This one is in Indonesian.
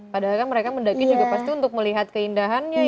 padahal kan mereka mendaki juga pasti untuk melihat keindahannya ya